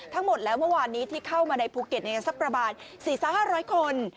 ทั้งหมดแล้วเมื่อวานนี้ที่เข้ามาในภูเก็ตสักประมาณ๔๕๐๐คน